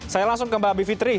saya langsung ke mbak bivitri